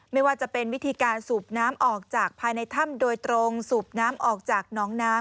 ไม่ว่าจะเป็นวิธีการสูบน้ำออกจากภายในถ้ำโดยตรงสูบน้ำออกจากน้องน้ำ